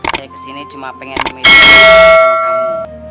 saya ke sini cuma pengen memilih untuk berbicara sama kamu